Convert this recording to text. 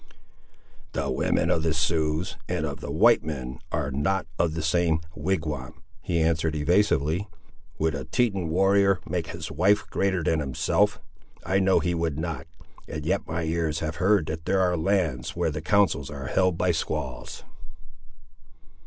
"The women of the Siouxes and of the white men are not of the same wigwam," he answered evasively. "Would a Teton warrior make his wife greater than himself? I know he would not; and yet my ears have heard that there are lands where the councils are held by squaws."